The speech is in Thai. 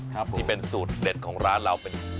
ที่เป็นสูตรเด็ดของร้านเราเป็น